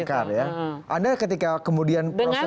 makar ya anda ketika kemudian prosesnya